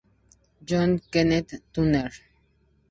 John Kenneth Turner.